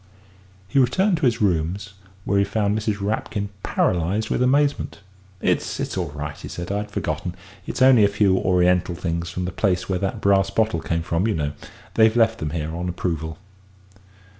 He returned to his rooms, where he found Mrs. Rapkin paralysed with amazement. "It's it's all right," he said; "I'd forgotten it's only a few Oriental things from the place where that brass bottle came from, you know. They've left them here on approval."